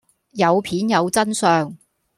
有片有真相